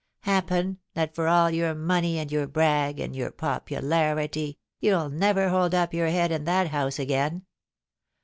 Happen, that for all your money and ) our brag and your popularity, you'll never hold up your head in that House again.